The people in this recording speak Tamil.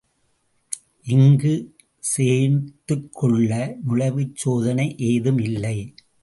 இங்குச் சேர்த்துக்கொள்ள, நுழைவுச் சோதனை ஏதும் இல்லை.